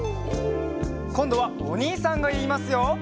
こんどはおにいさんがいいますよ。